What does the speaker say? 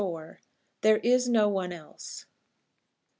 THERE IS NO ONE ELSE.